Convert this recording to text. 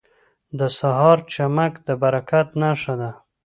• د سهار چمک د برکت نښه ده.